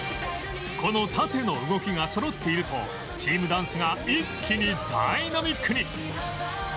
この縦の動きがそろっているとチームダンスが一気にダイナミックに